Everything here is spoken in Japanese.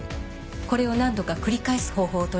これを何度か繰り返す方法をとりました。